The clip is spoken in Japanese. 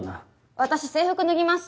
私制服脱ぎます。